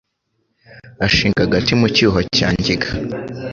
Ashinga agati mu cyuho cya Ngiga